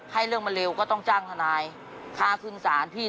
ให้เรื่องมันเร็วก็ต้องจ้างทนายค่าขึ้นศาลพี่